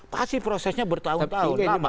pasti prosesnya bertahun tahun